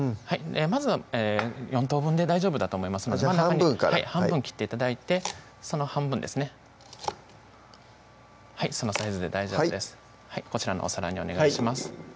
まずは４等分で大丈夫だと思いますので半分から半分切って頂いてその半分ですねはいそのサイズで大丈夫ですこちらのお皿にお願いします